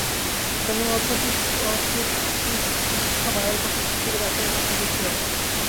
কেননা, অপ্রকৃতিস্থ মায়ের পক্ষে শিশুটিকে বাঁচিয়ে রাখা সম্ভব ছিল না।